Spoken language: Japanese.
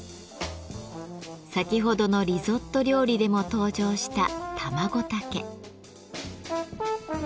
先ほどのリゾット料理でも登場したタマゴタケ。